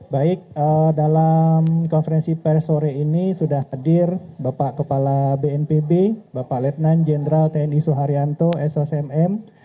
baik dalam konferensi pers sore ini sudah hadir bapak kepala bnpb bapak letnan jenderal tni suharyanto sosmm